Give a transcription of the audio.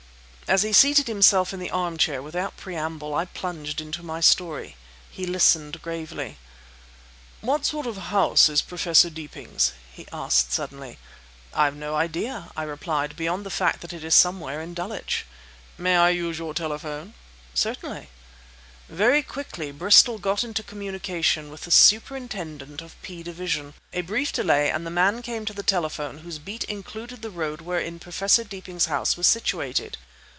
As he seated himself in the armchair, without preamble I plunged into my story. He listened gravely. "What sort of house is Professor Deeping's?" he asked suddenly. "I have no idea," I replied, "beyond the fact that it is somewhere in Dulwich." "May I use your telephone?" "Certainly." Very quickly Bristol got into communication with the superintendent of P Division. A brief delay, and the man came to the telephone whose beat included the road wherein Professor Deeping's house was situated.